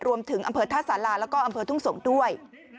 รวมถึงอำเภอท่าสาราและอำเภอทุ่งสมด้วย